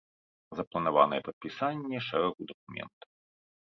Запланаванае падпісанне шэрагу дакументаў.